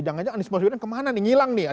jangan jangan anies masudinan kemana nih ngilang nih